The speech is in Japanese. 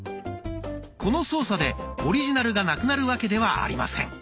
この操作でオリジナルがなくなるわけではありません。